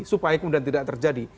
supaya kemudian tidak terjadi